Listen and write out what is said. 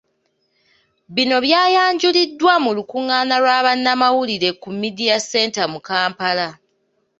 Bino byayanjuliddwa mu lukungaana lwa Bannamawulire ku Media Centre mu Kampala.